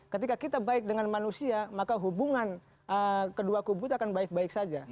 ketika kita baik dengan manusia maka hubungan kedua kubu itu akan baik baik saja